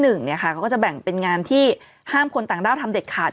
เขาก็จะแบ่งเป็นงานที่ห้ามคนต่างด้าวทำเด็ดขาด